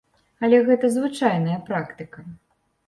Але гэта звычайная практыка.